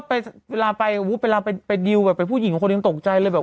ไปเวลาไปอู๋เวลาไปไปแบบภูติหญิงคนหนึ่งตกใจเลยแบบ